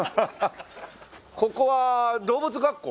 ここは動物学校？